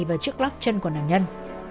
và chiếc lắc chân của nạn nhân